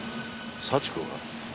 幸子が？